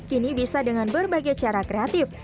kini bisa dengan berbagai cara kreatif